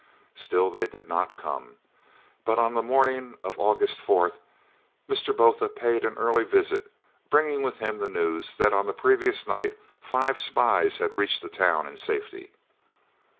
Still they did not come, but on the morning of August 4th Mr. Botha paid an early visit, bringing with him the news that on the previous night five spies had reached the town in safety.